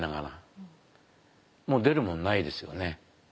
もう出るもんないですよね。